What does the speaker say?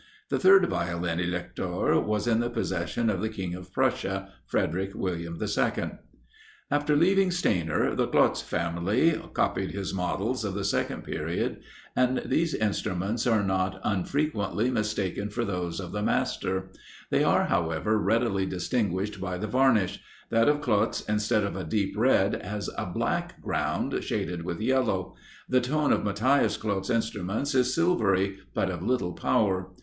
The third Violin Elector was in the possession of the King of Prussia, Frederick William II. After leaving Stainer, the Klotz family copied his models of the second period, and these instruments are not unfrequently mistaken for those of the master; they are, however, readily distinguished by the varnish; that of Klotz, instead of a deep red, has a black ground shaded with yellow; the tone of Mathias Klotz' instruments is silvery, but of little power.